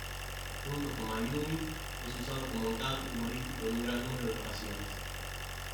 Junto con Mayumi es usado como gag humorístico en un gran número de ocasiones.